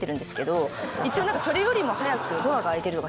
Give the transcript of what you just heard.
一応何かそれよりも早く。